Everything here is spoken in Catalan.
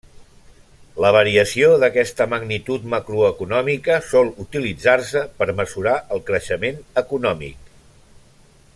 La variació d'aquesta magnitud macroeconòmica sol utilitzar-se per mesurar el creixement econòmic.